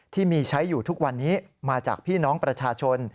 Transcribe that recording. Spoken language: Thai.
ที่มีใช้อยู่ทุกวันนี้มาจากพี่น้องประชาชน